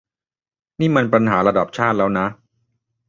นี่มันปัญหาระดับชาติแล้วนะ